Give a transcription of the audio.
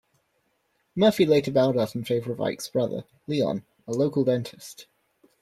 Murphy later bowed out in favor of Ike's brother, Leon, a local dentist.